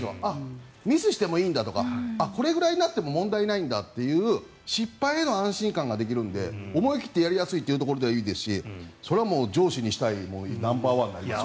ミスしてもいいんだとかこれぐらいになっても問題ないんだという失敗への安心感ができるので思い切ってやりやすいというところではいいですしそれは上司にしたいナンバーワンになりますよ。